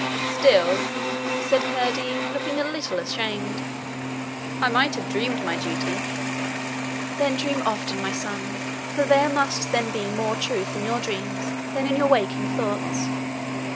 'Still,' said Curdie, looking a little ashamed, 'I might have dreamed my duty.' 'Then dream often, my son; for there must then be more truth in your dreams than in your waking thoughts.